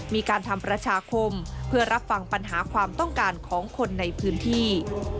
มีการทำประชาคมเพื่อรับฟังปัญหาความต้องการของคนในพื้นที่